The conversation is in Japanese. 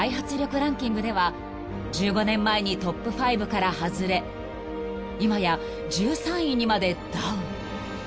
ランキングでは１５年前にトップ５から外れ今や１３位にまでダウン］